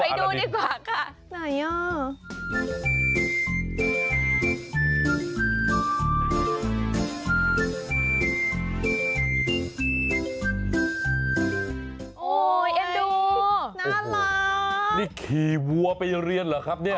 โอ้โหเอ็นดูน่ารักนี่ขี่วัวไปเรียนเหรอครับเนี่ย